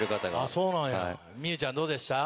そうなんや望結ちゃんどうでした？